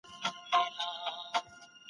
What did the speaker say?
دا یو داسې سیستم و چي هر چا پکښي برخه لرله.